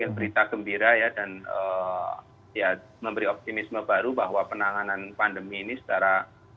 berita gembira ya dan ya memberi optimisme baru bahwa penanganan pandemi ini secara